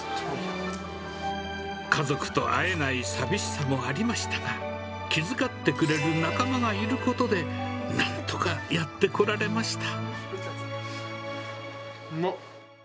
家族と会えない寂しさもありましたが、気遣ってくれる仲間がいることで、なんとかやってこられました。